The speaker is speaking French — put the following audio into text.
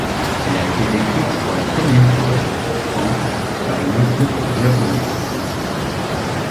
Elle a été décrite pour la première fois en par une équipe japonaise.